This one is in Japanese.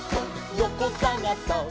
よこさがそっ！」